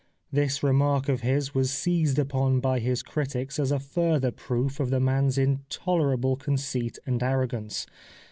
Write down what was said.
This remark of his was seized upon by his critics as a further proof of the man's intolerable conceit and arrogance.